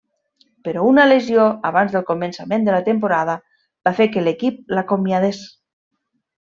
Però una lesió abans del començament de la temporada va fer que l'equip l'acomiadés.